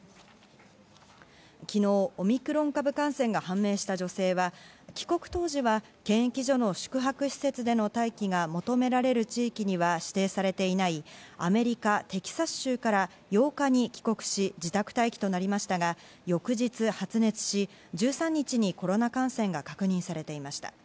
昨日、オミクロン株感染が判明した女性は帰国当時は検疫所の宿泊施設での待機が求められる地域には指定されていないアメリカ・テキサス州から８日に帰国し、自宅待機となりましたが、翌日発熱し、１３日にコロナ感染が確認されていました。